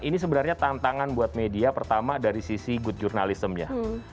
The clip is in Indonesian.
ini sebenarnya tantangan buat media pertama dari sisi good journalism ya